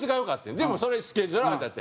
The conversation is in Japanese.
「でもそれスケジュール合わんかって。